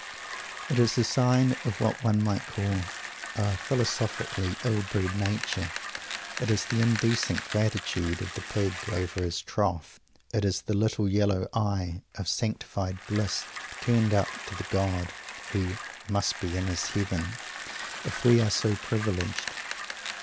It is a sign of what one might call a philosophically ill bred nature. It is the indecent "gratitude" of the pig over his trough. It is the little yellow eye of sanctified bliss turned up to the God who "must be in His Heaven" if we are so privileged.